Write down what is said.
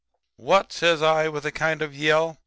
"'What!' says I, with a kind of a yell.